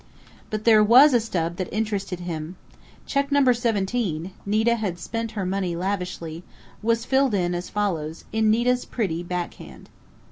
_ But there was a stub that interested him. Check No. 17 Nita had spent her money lavishly was filled in as follows, in Nita's pretty backhand: No.